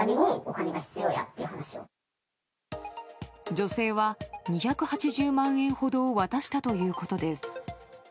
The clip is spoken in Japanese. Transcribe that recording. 女性は２８０万円ほどを渡したということです。